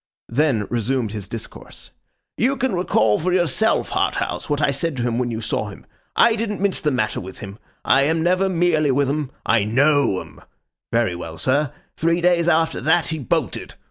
Then, resumed his discourse. 'You can recall for yourself, Harthouse, what I said to him when you saw him. I didn't mince the matter with him. I am never mealy with 'em. I KNOW 'em. Very well, sir. Three days after that, he bolted.